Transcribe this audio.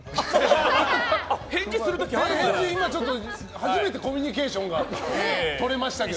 初めてコミュニケーションがとれましたけど。